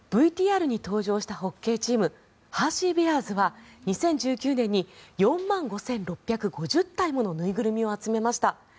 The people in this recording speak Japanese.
ＶＴＲに登場したホッケーチームハーシー・ベアーズは２０１９年に４万５６５０体もの縫いぐるみを集めました。